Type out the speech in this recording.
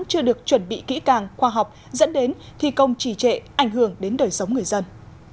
chưa được chuẩn bị kỹ càng khoa học dẫn đến thi công trì trệ ảnh hưởng đến đời sống người dân